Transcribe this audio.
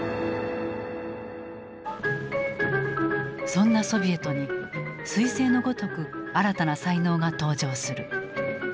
そんなソビエトに彗星のごとく新たな才能が登場する。